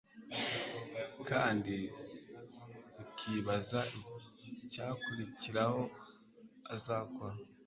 kandi ukibaza icyakurikiraho azakora